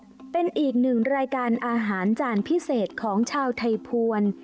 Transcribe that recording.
มีกรอบเป็นอีกหนึ่งรายการอาหารจ่านพิเศษของชาวไทยพวน